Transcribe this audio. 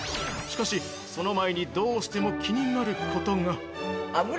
しかし、その前にどうしても気になることが◆